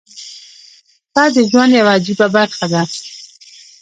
• شپه د ژوند یوه عجیبه برخه ده.